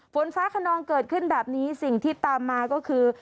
ฝนฟ้าขนองเกิดขึ้นแบบนี้สิ่งที่ตามมาก็คือ